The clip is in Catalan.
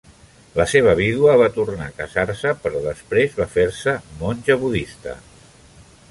La seva vídua va tornar a casar-se, però després va fer-se monja budista.